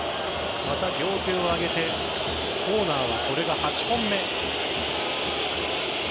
また両手を上げてコーナーはこれが８本目。